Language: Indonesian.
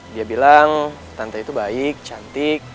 dia bilang tante itu baik cantik